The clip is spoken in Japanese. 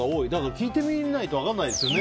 聞いてみないと分からないですよね。